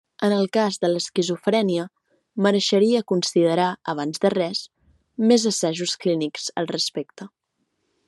En el cas de l'esquizofrènia mereixeria considerar abans de res, més assajos clínics al respecte.